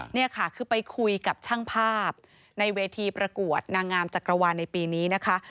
นี่ค่ะคือไปคุยกับช่างภาพในเวทีประกวดนางงามจักรวาลในปีนี้นะคะ